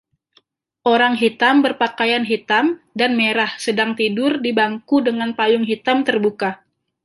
Orang hitam berpakaian hitam dan merah sedang tidur di bangku dengan payung hitam terbuka